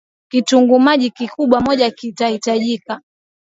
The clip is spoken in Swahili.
Kitunguu maji Kikubwa mojakitahitajika